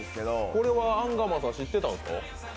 これはアンガマさん、知ってたんですか？